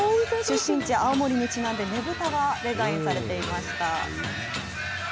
出身地、青森にちなんでねぶたがデザインされていました。